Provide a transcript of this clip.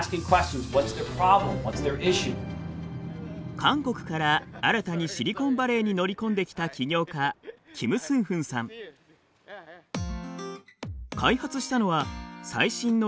韓国から新たにシリコンヴァレーに乗り込んできた開発したのは最新の医療機器です。